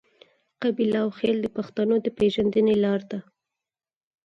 قبیله او خیل د پښتنو د پیژندنې لار ده.